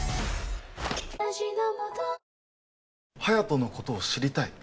隼人のことを知りたい？